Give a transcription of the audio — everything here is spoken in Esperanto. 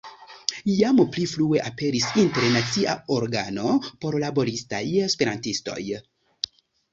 Jam pli frue aperis internacia organo por laboristaj Esperantistoj.